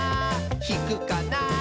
ひくかな？